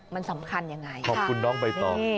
มันสำคัญอย่างไรค่ะขอบคุณน้องไปต่อ